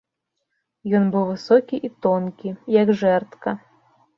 Ён быў высокі і тонкі, як жэрдка.